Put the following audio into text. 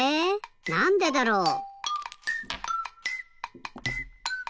なんでだろう。